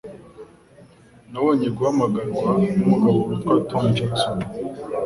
Nabonye guhamagarwa numugabo witwa Tom Jackson.